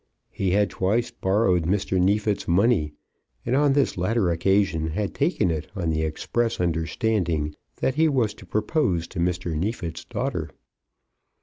He had twice borrowed Mr. Neefit's money, and on this latter occasion had taken it on the express understanding that he was to propose to Mr. Neefit's daughter.